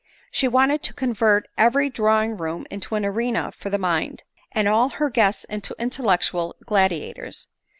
She wanted .to convert every drawing room into an arena for the mind, and all her guests into intellectual gladiators.